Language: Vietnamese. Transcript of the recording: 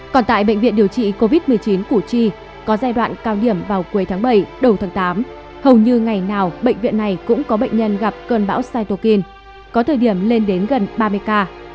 còn tại bệnh viện điều trị covid một mươi chín củ chi có giai đoạn cao điểm vào cuối tháng bảy đầu tháng tám hầu như ngày nào bệnh viện này cũng có bệnh nhân gặp cơn bão saitokin có thời điểm lên đến gần ba mươi ca